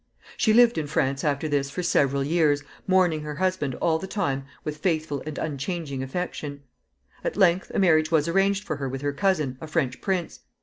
She lived in France after this for several years, mourning her husband all the time with faithful and unchanging affection. At length a marriage was arranged for her with her cousin, a French prince.